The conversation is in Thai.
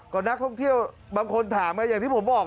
ก็นักท่องเที่ยวบางคนถามอย่างที่ผมบอก